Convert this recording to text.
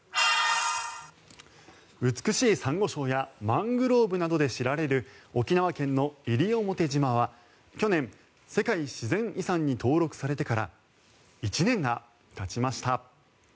美しいサンゴ礁やマングローブなどで知られる沖縄県の西表島は、去年世界自然遺産に登録されてから１年がたちました。